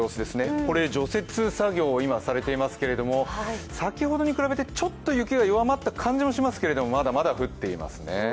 これ除雪作業、今、されていますけれども先ほどに比べてちょっと雪が弱まった感じがしますけれどもまだまだ降っていますね。